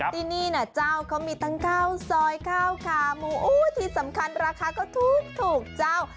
ที่นี่เจ้าเขามีตั้ง๙ซอย๙คาหมูที่สำคัญราคาก็ทุกเจ้า